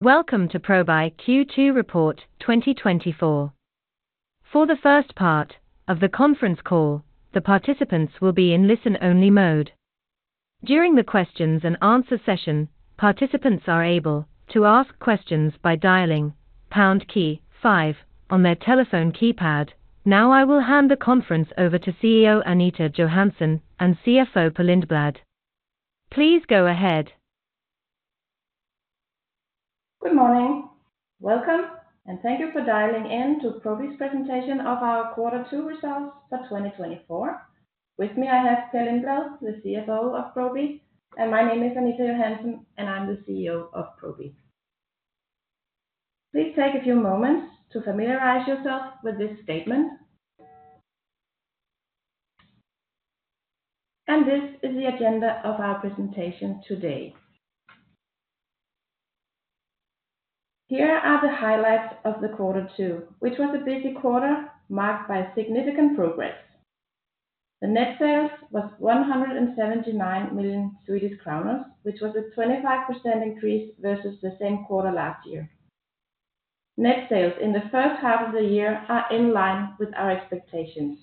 Welcome to Probi Q2 report 2024. For the first part of the conference call, the participants will be in listen-only mode. During the questions and answer session, participants are able to ask questions by dialing pound key five on their telephone keypad. Now, I will hand the conference over to CEO Anita Johansen and CFO Per Lindblad. Please go ahead. Good morning. Welcome, and thank you for dialing in to Probi's presentation of our Quarter Two results for 2024. With me, I have Per Lindblad, the CFO of Probi, and my name is Anita Johansen, and I'm the CEO of Probi. Please take a few moments to familiarize yourself with this statement. This is the agenda of our presentation today. Here are the highlights of the Quarter Two, which was a busy quarter, marked by significant progress. The net sales was 179 million Swedish kronor, which was a 25% increase versus the same quarter last year. Net sales in the first half of the year are in line with our expectations.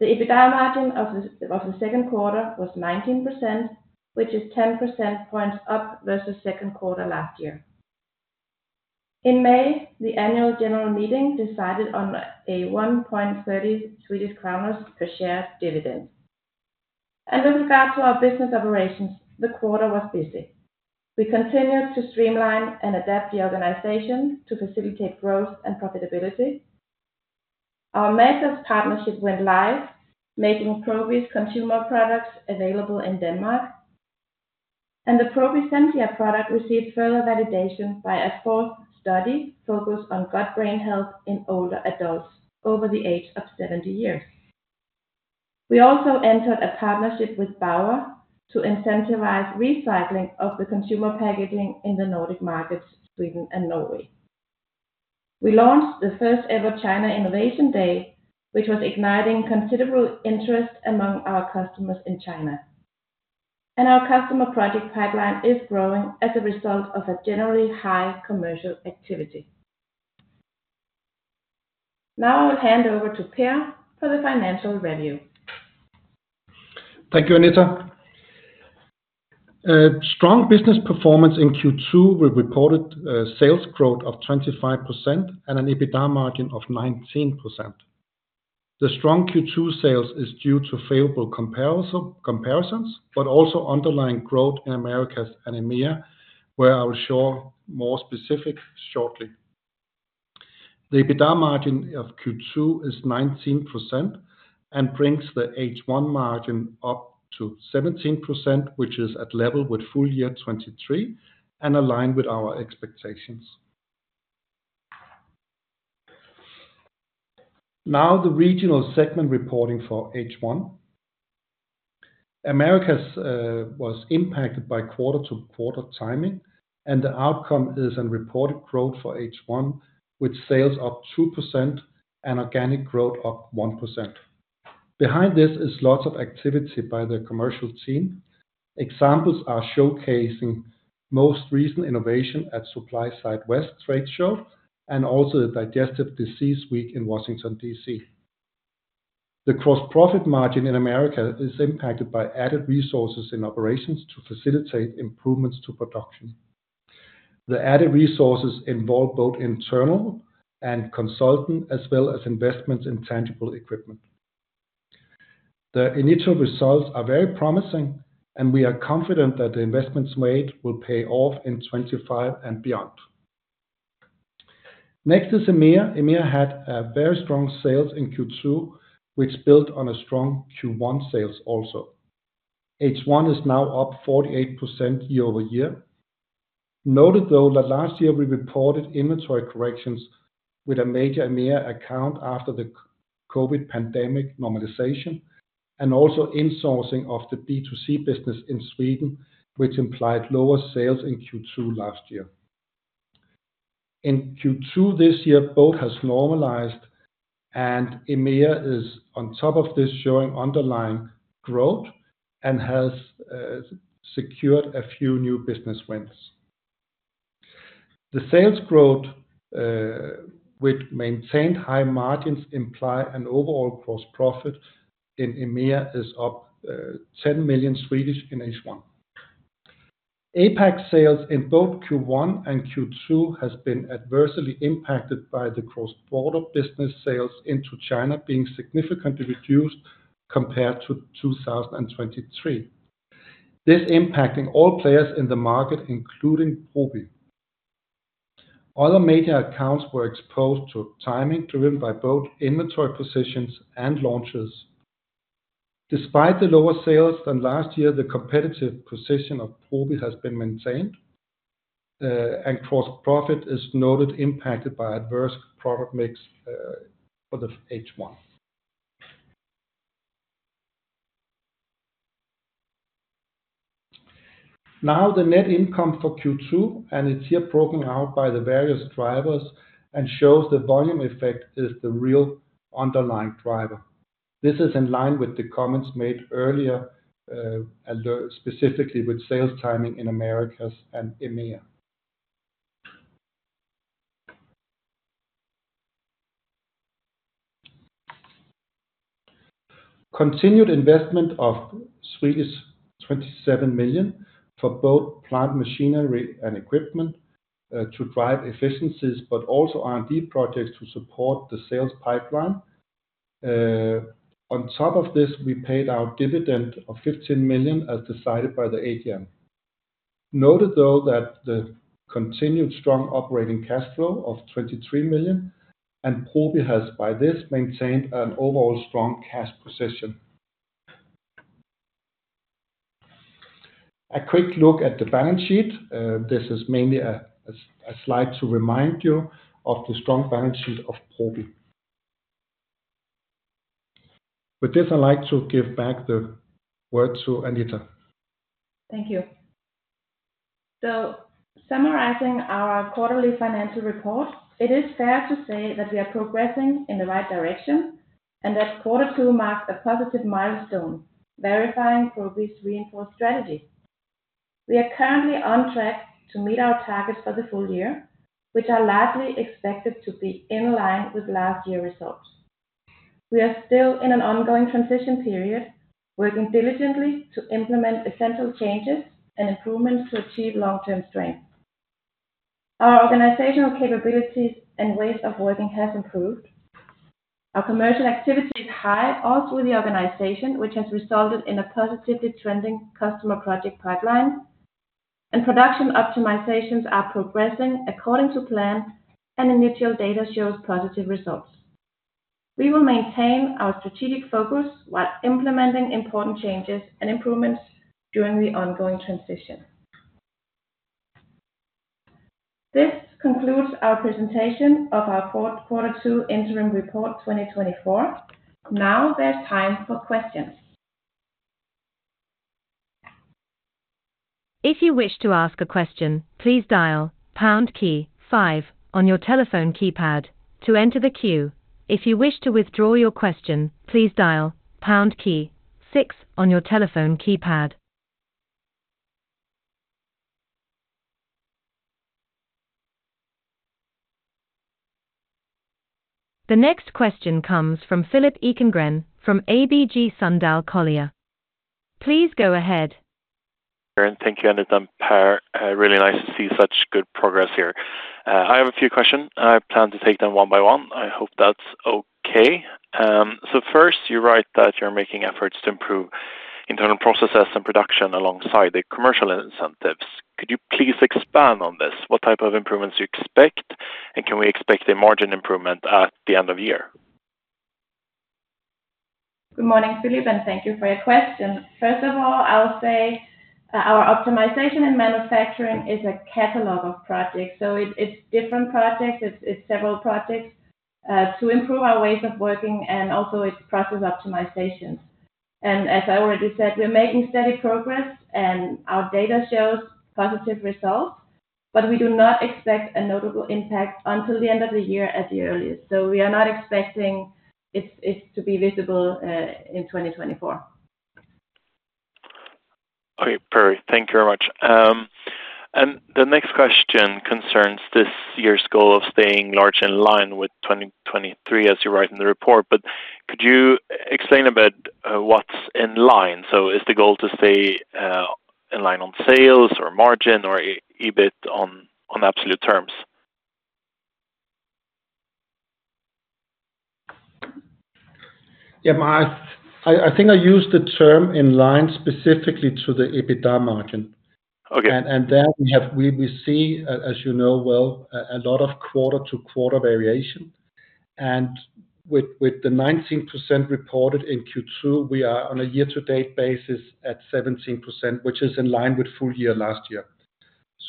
The EBITDA margin of the second quarter was 19%, which is 10 percentage points up versus second quarter last year. In May, the annual general meeting decided on a 1.30 Swedish kronor per share dividend. With regard to our business operations, the quarter was busy. We continued to streamline and adapt the organization to facilitate growth and profitability. Our Matas partnership went live, making Probi's consumer products available in Denmark, and the Probi Sensia product received further validation by a fourth study focused on gut-brain health in older adults over the age of 70 years. We also entered a partnership with Bower to incentivize recycling of the consumer packaging in the Nordic markets, Sweden and Norway. We launched the first-ever China Innovation Day, which was igniting considerable interest among our customers in China, and our customer project pipeline is growing as a result of a generally high commercial activity. Now, I will hand over to Per for the financial review. Thank you, Anita. Strong business performance in Q2, we reported sales growth of 25% and an EBITDA margin of 19%. The strong Q2 sales is due to favorable comparison, comparisons, but also underlying growth in Americas and EMEA, where I will show more specific shortly. The EBITDA margin of Q2 is 19% and brings the H1 margin up to 17%, which is at level with full year 2023 and aligned with our expectations. Now, the regional segment reporting for H1. Americas was impacted by quarter-to-quarter timing, and the outcome is a reported growth for H1, with sales up 2% and organic growth up 1%. Behind this is lots of activity by the commercial team. Examples are showcasing most recent innovation at SupplySide West Trade Show and also the Digestive Disease Week in Washington, D.C. The gross profit margin in Americas is impacted by added resources in operations to facilitate improvements to production. The added resources involve both internal and consultant, as well as investments in tangible equipment. The initial results are very promising, and we are confident that the investments made will pay off in 2025 and beyond. Next is EMEA. EMEA had a very strong sales in Q2, which built on a strong Q1 sales also. H1 is now up 48% year-over-year. Noted, though, that last year we reported inventory corrections with a major EMEA account after the COVID pandemic normalization and also insourcing of the B2C business in Sweden, which implied lower sales in Q2 last year. In Q2 this year, both has normalized and EMEA is on top of this, showing underlying growth and has secured a few new business wins. The sales growth, with maintained high margins imply an overall gross profit in EMEA is up, 10 million in H1. APAC sales in both Q1 and Q2 has been adversely impacted by the cross-border business sales into China being significantly reduced compared to 2023. This impacting all players in the market, including Probi. Other major accounts were exposed to timing, driven by both inventory positions and launches. Despite the lower sales than last year, the competitive position of Probi has been maintained, and gross profit is noted, impacted by adverse product mix, for the H1. Now, the net income for Q2, and it's here broken out by the various drivers and shows the volume effect is the real underlying driver. This is in line with the comments made earlier, and specifically with sales timing in Americas and EMEA. Continued investment of 27 million for both plant machinery and equipment, to drive efficiencies, but also R&D projects to support the sales pipeline. On top of this, we paid our dividend of 15 million, as decided by the AGM. Note, though, that the continued strong operating cash flow of 23 million, and Probi has, by this, maintained an overall strong cash position. A quick look at the balance sheet. This is mainly a slide to remind you of the strong balance sheet of Probi. With this, I'd like to give back the word to Anita. Thank you. So summarizing our quarterly financial report, it is fair to say that we are progressing in the right direction, and that quarter two marked a positive milestone, verifying Probi's reinforced strategy. We are currently on track to meet our targets for the full year, which are largely expected to be in line with last year's results. We are still in an ongoing transition period, working diligently to implement essential changes and improvements to achieve long-term strength. Our organizational capabilities and ways of working has improved. Our commercial activity is high all through the organization, which has resulted in a positively trending customer project pipeline. And production optimizations are progressing according to plan, and initial data shows positive results. We will maintain our strategic focus while implementing important changes and improvements during the ongoing transition. This concludes our presentation of our quarter two interim report 2024. Now there's time for questions. If you wish to ask a question, please dial pound key five on your telephone keypad to enter the queue. If you wish to withdraw your question, please dial pound key six on your telephone keypad. The next question comes from Philip Ekengren from ABG Sundal Collier. Please go ahead. Thank you, Anita and Per. Really nice to see such good progress here. I have a few questions, and I plan to take them one by one. I hope that's okay. So first, you write that you're making efforts to improve internal processes and production alongside the commercial incentives. Could you please expand on this? What type of improvements do you expect, and can we expect a margin improvement at the end of the year? Good morning, Philip, and thank you for your question. First of all, I'll say, our optimization and manufacturing is a catalog of projects, so it's different projects. It's several projects to improve our ways of working and also its process optimizations. And as I already said, we're making steady progress, and our data shows positive results, but we do not expect a notable impact until the end of the year at the earliest. So we are not expecting it to be visible in 2024. Okay, Per, thank you very much. The next question concerns this year's goal of staying largely in line with 2023, as you write in the report. Could you explain a bit, what's in line? So is the goal to stay in line on sales or margin or EBIT on absolute terms? Yeah, I think I used the term in line specifically to the EBITDA margin. Okay. Then we see, as you know well, a lot of quarter-to-quarter variation. With the 19% reported in Q2, we are on a year-to-date basis at 17%, which is in line with full year last year.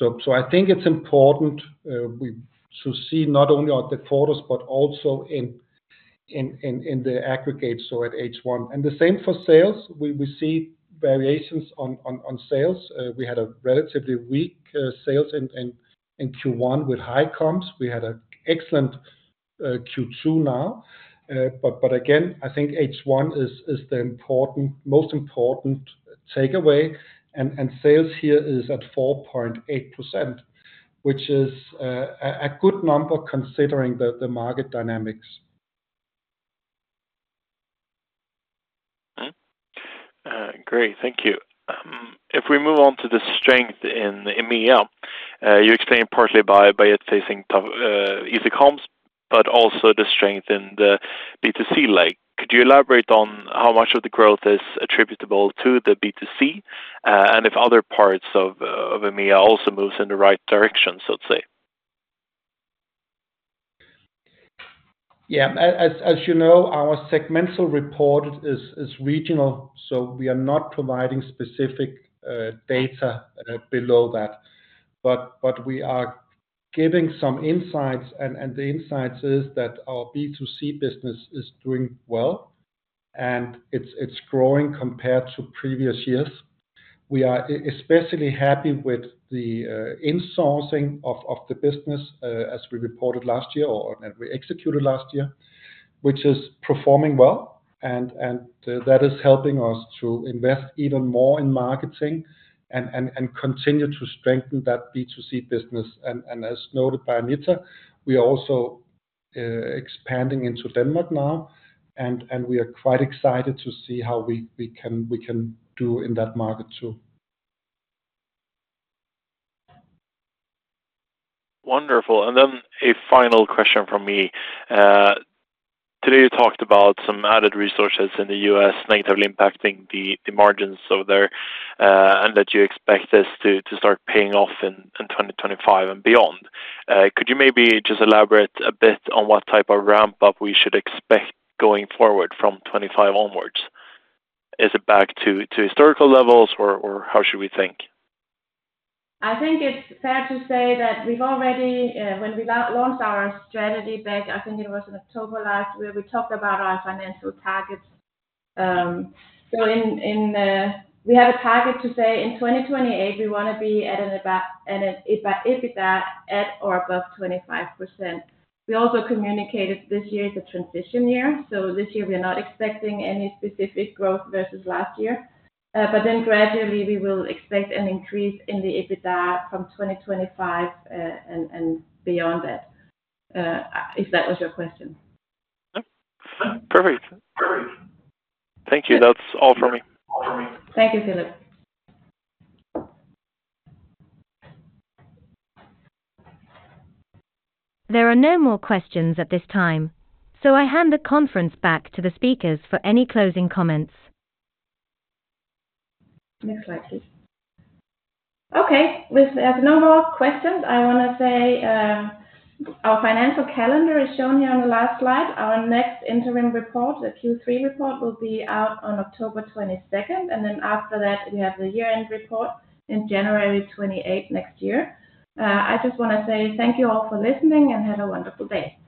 I think it's important to see not only on the quarters but also in the aggregate, so at H1. The same for sales. We see variations on sales. We had a relatively weak sales in Q1 with high comps. We had an excellent Q2 now. But again, I think H1 is the most important takeaway, and sales here is at 4.8%, which is a good number considering the market dynamics. Great, thank you. If we move on to the strength in EMEA, you explained partly by, by it facing tough, easy comps, but also the strength in the B2C leg. Could you elaborate on how much of the growth is attributable to the B2C, and if other parts of, of EMEA also moves in the right direction so to say? Yeah. As, as you know, our segmental report is regional, so we are not providing specific data below that. But we are giving some insights, and the insights is that our B2C business is doing well, and it's growing compared to previous years.... We are especially happy with the insourcing of the business, as we reported last year or that we executed last year, which is performing well, and that is helping us to invest even more in marketing and continue to strengthen that B2C business. And as noted by Anita, we are also expanding into Denmark now, and we are quite excited to see how we can do in that market, too. Wonderful. And then a final question from me. Today, you talked about some added resources in the U.S. negatively impacting the margins over there, and that you expect this to start paying off in 2025 and beyond. Could you maybe just elaborate a bit on what type of ramp-up we should expect going forward from 25 onwards? Is it back to historical levels, or how should we think? I think it's fair to say that we've already, when we launched our strategy back, I think it was in October last, where we talked about our financial targets. So we have a target to say in 2028, we wanna be at or about an EBITDA at or above 25%. We also communicated this year is a transition year, so this year we are not expecting any specific growth versus last year. But then gradually, we will expect an increase in the EBITDA from 2025 and beyond that, if that was your question. Yeah. Perfect. Thank you. That's all for me. Thank you, Philip. There are no more questions at this time, so I hand the conference back to the speakers for any closing comments. Next slide, please. Okay, with, as no more questions, I wanna say our financial calendar is shown here on the last slide. Our next interim report, the Q3 report, will be out on October twenty-second, and then after that, we have the year-end report in January twenty-eight next year. I just wanna say thank you all for listening, and have a wonderful day.